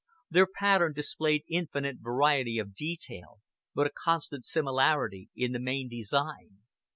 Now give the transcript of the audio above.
Their pattern displayed infinite variety of detail, but a constant similarity in the main design.